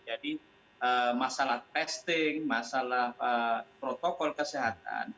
jadi masalah testing masalah protokol kesehatan